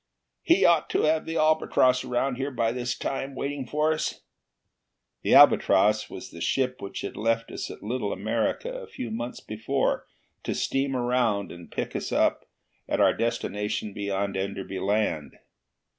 "He ought to have the Albatross around there by this time, waiting for us." The Albatross was the ship which had left us at Little America a few months before, to steam around and pick us up at our destination beyond Enderby Land.